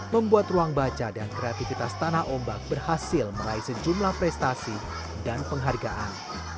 membuat ruang baca dan kreativitas tanah ombak berhasil meraih sejumlah prestasi dan penghargaan